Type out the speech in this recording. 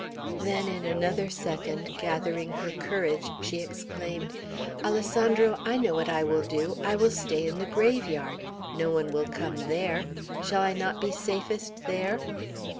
Then in another second, gathering her courage, she exclaimed, "Alessandro, I know what I will do. I will stay in the graveyard. No one will come there. Shall I not be safest there?"